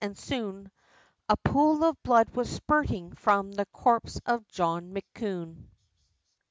an' soon, A pool of blood, was spurtin' from the corpse of John McKune.